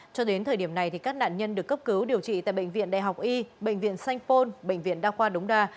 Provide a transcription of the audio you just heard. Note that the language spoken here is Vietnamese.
cho đến thời điểm này các nạn nhân được cấp cứu điều trị tại bệnh viện đại học y bệnh viện sanh phôn bệnh viện đa khoa đống đa